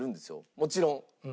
もちろん。